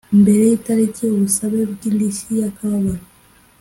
mbere y itariki ubusabe bw indishyi yakababaro